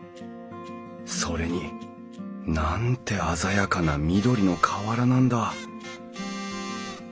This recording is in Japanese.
それになんて鮮やかな緑の瓦なんだ！